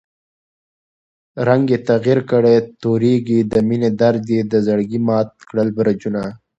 رنګ ئې تغير کړی تورېږي، دمېنی درد ئې دزړګي مات کړل برجونه